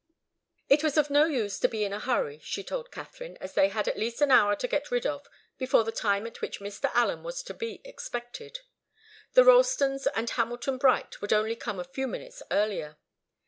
It was of no use to be in a hurry, she told Katharine, as they had at least an hour to get rid of before the time at which Mr. Allen was to be expected. The Ralstons and Hamilton Bright would only come a few minutes earlier.